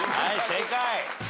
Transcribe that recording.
はい正解。